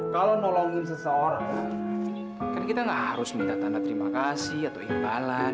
kalau nolongin seseorang kan kita gak harus minta tanda terima kasih atau imbalan